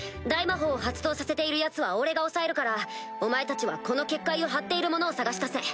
魔法を発動させているヤツは俺が抑えるからお前たちはこの結界を張っている者を捜し出せ。